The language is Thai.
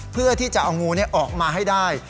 เพื่อที่จะเอางูออกมาให้ได้